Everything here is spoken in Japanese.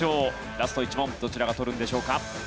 ラスト１問どちらが取るんでしょうか？